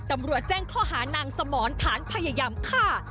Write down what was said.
ตำรวจแจ้งข้อหานางสมรฐานพยายามฆ่า